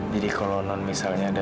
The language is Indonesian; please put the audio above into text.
jadi kalau non misalnya ada